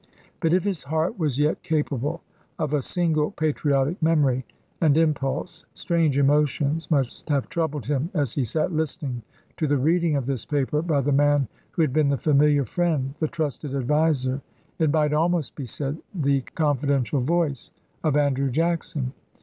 But if his heart was yet capable of a single patriotic memory and im pulse, strange emotions must have troubled him as he sat listening to the reading of this paper by the man who had been the familiar friend, the trusted adviser, it might almost be said the confidential voice, of Andrew Jackson.